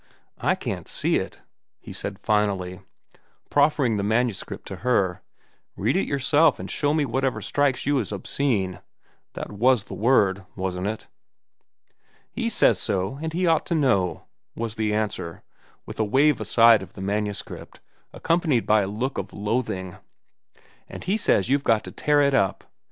"I can't see it," he said finally, proffering the manuscript to her. "Read it yourself and show me whatever strikes you as obscene—that was the word, wasn't it?" "He says so, and he ought to know," was the answer, with a wave aside of the manuscript, accompanied by a look of loathing. "And he says you've got to tear it up.